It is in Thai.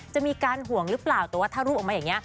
จะมีการห่วงหรือเปล่าแต่ว่าถ้ารูปออกมาอย่างนี้